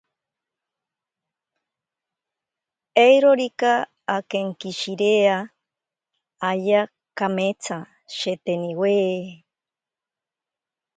Eirorika akenkishirea ayaa kametsa sheeteniwe.